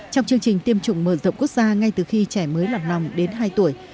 trong chương trình tiêm chủng mở rộng quốc gia ngay từ khi trẻ mới làm nòng đến hai tuổi